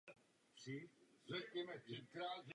Pak se angažoval v politice.